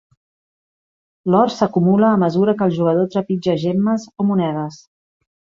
L'or s'acumula a mesura que el jugador trepitja gemmes o monedes.